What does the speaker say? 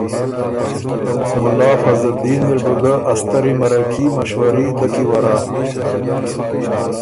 مُلا فضلدین اِر بُو ګۀ ا ستري مرکي، مشوري دۀ کی ورّا